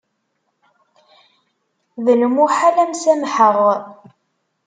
D lmuḥal ad m-samḥeɣ.